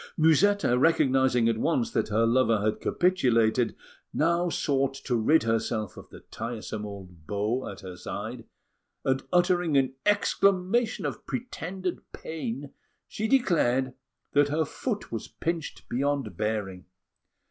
Musetta, recognising at once that her lover had capitulated, now sought to rid herself of the tiresome old beau at her side; and, uttering an exclamation of pretended pain, she declared that her foot was pinched beyond bearing.